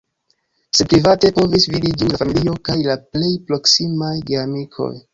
Sed private povis vidi ĝin la familio kaj la plej proksimaj geamikoj.